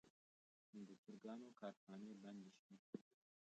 د چرګانو کارخانې بندې شوي.